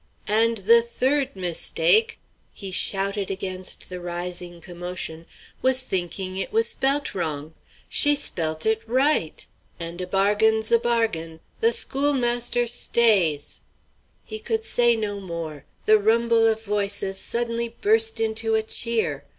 And the third mistake," he shouted against the rising commotion, "was thinking it was spelt wrong. She spelt it right! And a bargain's a bargain! The schoolmaster stays!" He could say no more; the rumble of voices suddenly burst into a cheer.